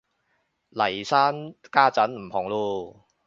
嚟生家陣唔紅嚕